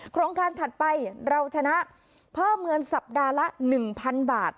โครงการถัดไปเราชนะเพิ่มเงินสัปดาห์ละ๑๐๐๐บาท